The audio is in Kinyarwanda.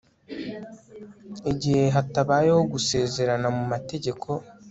igihe hatabayeho gusezerana mu mategeko